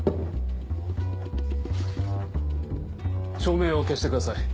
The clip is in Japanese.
照明を消してください。